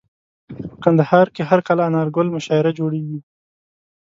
په کندهار کي هر کال انارګل مشاعره جوړیږي.